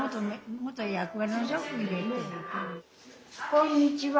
こんにちは。